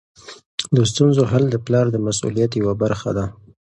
د ستونزو حل د پلار د مسؤلیت یوه برخه ده.